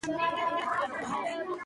د ساري ناروغیو پر وړاندې احتیاط وکړئ.